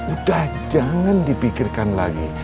udah jangan dipikirkan lagi